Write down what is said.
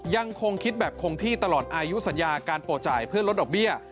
ยังคงคิดแบบคงที่ตลอดอายุสัญญาการโปรดจ่ายเพื่อลดดอกเบี้ย